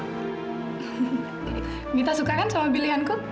kita suka kan sama pilihanku